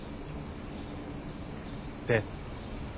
で？